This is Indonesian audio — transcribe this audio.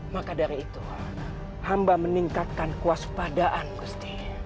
maka dari itu hamba meningkatkan kuas padaan gusti